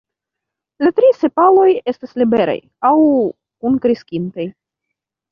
La tri sepaloj estas liberaj aŭ kunkreskintaj.